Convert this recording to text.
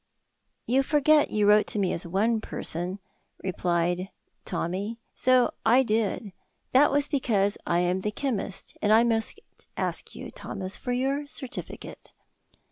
"You forget you wrote to me as one person," replied Tommy. "So I did. That was because I am the chemist; and I must ask you, Thomas, for your certificate."